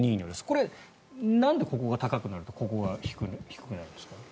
これ、なんでここが高くなるとここが低くなるんですか。